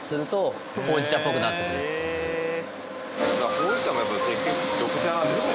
ほうじ茶もやっぱり結局緑茶なんですね。